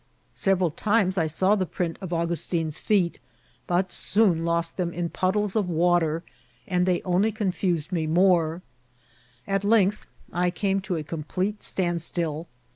Several times I saw the print of Augus tin's feet, but soon lost them in puddles of water, and they only confused me more ; at length I came to a complete stand still.